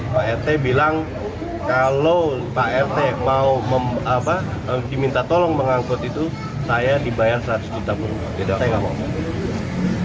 pak rt bilang kalau pak rt mau diminta tolong mengangkut itu saya dibayar seratus juta rupiah